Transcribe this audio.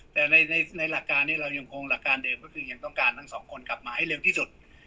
แต่ในหลักการนี้เรายังคงหลักการเดิมก็คือยังต้องการทั้งสองคนกลับมาให้เร็วที่สุด